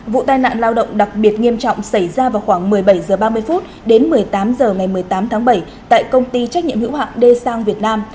vụ tai nạn lao động đặc biệt nghiêm trọng xảy ra vào khoảng một mươi bảy h ba mươi đến một mươi tám h ngày một mươi tám tháng bảy tại công ty trách nhiệm hữu hạng d sang việt nam